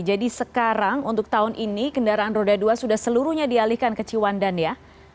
jadi sekarang untuk tahun ini kendaraan roda dua sudah seluruhnya dialihkan ke ciwandan ya